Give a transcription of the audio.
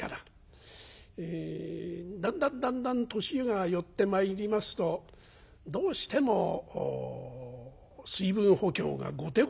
だんだんだんだん年が寄ってまいりますとどうしても水分補給が後手後手になりましてね。